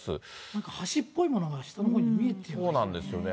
なんか橋っぽいものが、下のほうに見えてますね。